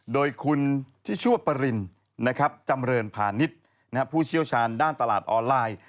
โดยคุณทิชั่วปรินจำเรินพาณิชย์ผู้เชี่ยวชาญด้านตลาดออนไลน์